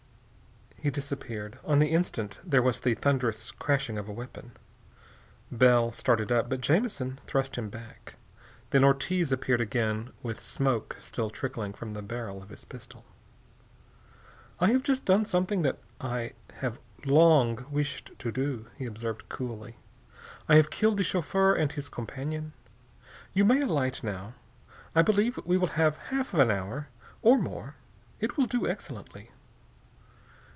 He disappeared. On the instant there was the thunderous crashing of a weapon. Bell started up, but Jamison thrust him back. Then Ortiz appeared again with smoke still trickling from the barrel of his pistol. "I have just done something that I have long wished to do," he observed coolly. "I have killed the chauffeur and his companion. You may alight, now. I believe we will have half an hour or more. It will do excellently."